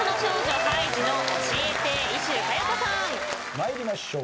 参りましょう。